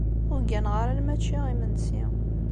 Ur gganeɣ ara alamma ččiɣ imensi.